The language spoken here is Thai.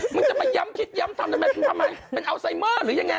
มันจะมาย้ำพิษย้ำทำทำไมเป็นอัลไซเมอร์หรือยังไง